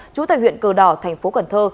trú tại huyện cờ đỏ thành phố cần thơ